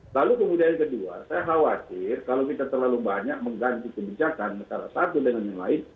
lalu kemudian kedua saya khawatir kalau kita terlalu banyak mengganti kebijakan antara satu dengan yang lain